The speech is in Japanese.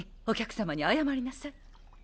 お客様に謝りなさい。